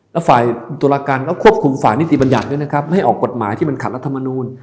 แล้วฝ่ายตุลาการก็ควบคุมฝ่ายนิติบัญญัติด้วยนะครับไม่ออกกฎหมายที่มันขัดรัฐมนูล